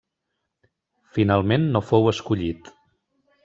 Finalment no fou escollit.